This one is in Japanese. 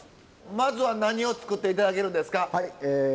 まずは何を作って頂けるんですか？